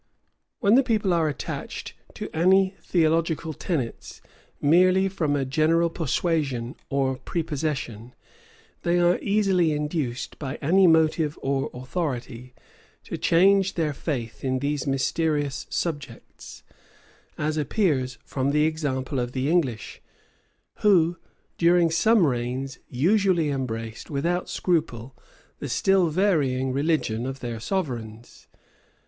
When the people are attached to any theological tenets merely from a general persuasion or prepossession, they are easily induced, by any motive or authority, to change their faith in these mysterious subjects; as appears from the example of the English, who, during some reigns, usually embraced, without scruple, the still varying religion of their sovereigns.